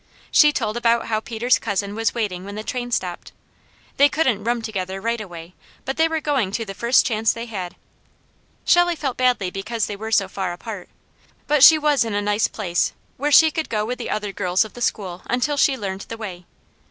She told about how Peter's cousin was waiting when the train stopped. They couldn't room together right away, but they were going to the first chance they had. Shelley felt badly because they were so far apart, but she was in a nice place, where she could go with other girls of the school until she learned the way.